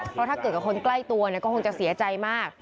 เพราะถ้าเกิดกับคนใกล้ตัวก็คงจะเสียใจมาก